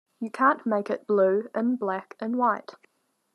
You can't make it blue in black and white.